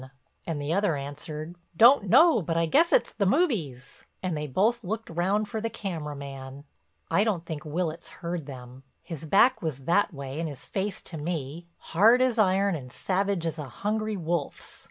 and the other answered: "Don't know but I guess it's the movies." And they both looked round for the camera man. I don't think Willitts heard them. His back was that way and his face to me, hard as iron and savage as a hungry wolf's.